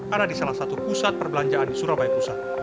ada di salah satu pusat perbelanjaan di surabaya pusat